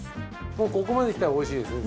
もうここまできたらおいしいですね